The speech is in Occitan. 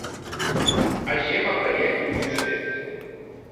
Ager m’apraièc un justet.